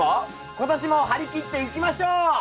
今年も張り切っていきましょう！